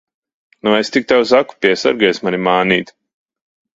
Nu, es tik tev saku, piesargies mani mānīt!